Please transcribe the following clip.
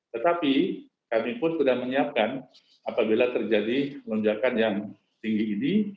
tetapi kami pun sudah menyiapkan apabila terjadi lonjakan yang tinggi ini